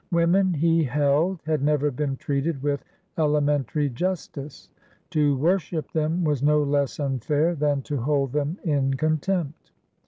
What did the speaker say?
Women, he held, had never been treated with elementary justice. To worship them was no less unfair than to hold them in contempt.